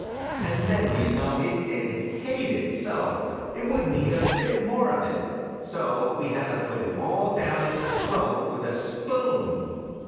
And then, do you know, it did hate it so, it wouldn't eat a bit more of it ! So we had to put it all down its throat with a spoon